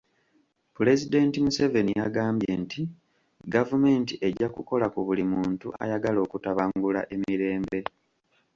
Pulezidenti Museveni yagambye nti gavumenti ejja kukola ku buli muntu ayagala okutabangula emirembe.